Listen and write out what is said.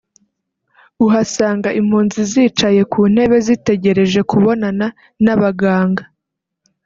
uhasanga impunzi zicaye ku ntebe zitegereje kubonana n’abaganga